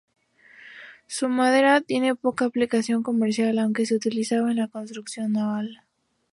Su madera tiene poca aplicación comercial, aunque se utilizaba en la construcción naval.